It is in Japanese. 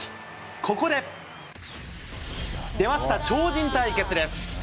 ここで出ました、超人対決です。